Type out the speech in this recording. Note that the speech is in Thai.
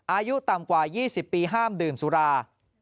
อายุต่ำกว่า๒๐ปีห้ามดื่มสุรา